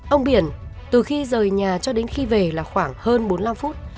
ông biển từ khi rời nhà cho đến khi về là khoảng hơn bốn mươi năm phút